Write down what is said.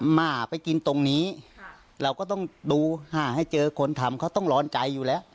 มาไปกินตรงนี้เราก็ต้องดูหาให้เจอคนทำเขาต้องร้อนใจอยู่แล้ว